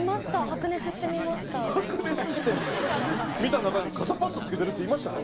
白熱して見た中に肩パッド付けてるヤツいましたか？